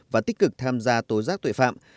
và tích cực tham gia tố giác tội phạm